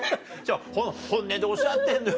本音でおっしゃってるんだよ。